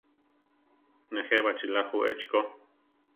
Nejé baʼchíla ju echi ko.